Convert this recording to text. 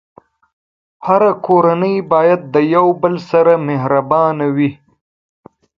هره کورنۍ باید د یو بل سره مهربانه وي.